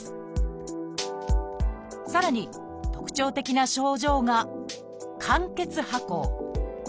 さらに特徴的な症状が「間欠跛行」。